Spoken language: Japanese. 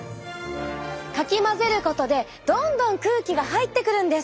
かき混ぜることでどんどん空気が入ってくるんです。